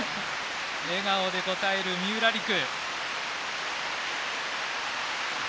笑顔で応える三浦璃来。